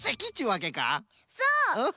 そう！